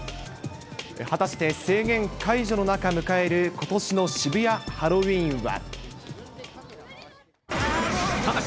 果たして制限解除の中迎えることしの渋谷ハロウィーンは。